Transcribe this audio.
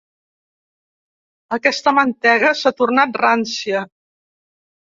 Aquesta mantega s'ha tornat rància.